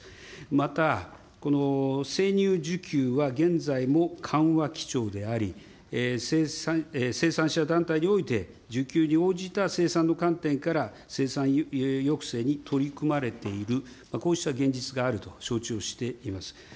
また、生乳需給は現在も緩和基調であり、生産者団体において、需給に応じた生産の観点から、生産抑制に取り組まれている、こうした現実があると承知をしています。